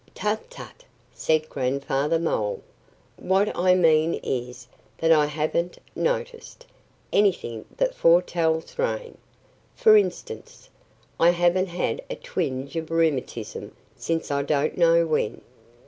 "Tut, tut!" said Grandfather Mole. "What I mean is that I haven't noticed anything that foretells rain. For instance, I haven't had a twinge of rheumatism since I don't know when."